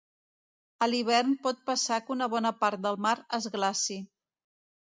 A l'hivern pot passar que una bona part del mar es glaci.